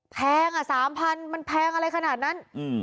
แพงอะ๓๐๐๐มันแพงอะไรขนาดนั้น